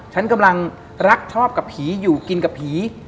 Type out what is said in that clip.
ฉันกำลังรักชอบกับผีอยู่กินกับผี